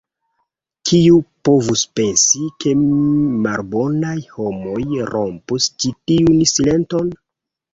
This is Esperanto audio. Kiu povus pensi, ke malbonaj homoj rompus ĉi tiun silenton?